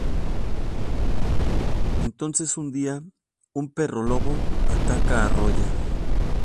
Entonces un día, un perro-lobo ataca a Rolla.